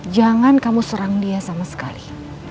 jangan kamu serang dia sama sekali